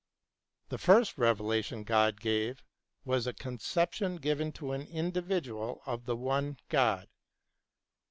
The first revelation God gave was a conception given to an individual of the one God.